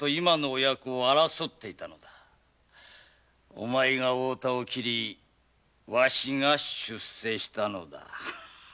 お前が太田を斬りわしが出世したのだ。